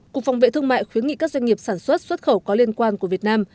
cục phòng vệ thương mại khuyến nghị các doanh nghiệp sản xuất xuất khẩu có liên quan của việt nam